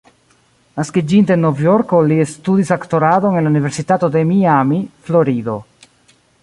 Naskiĝinte en Novjorko, li studis aktoradon en la Universitato de Miami, Florido.